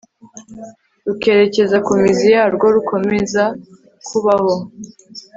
rukerekeza ku mizi yarwo rukomeza kubaho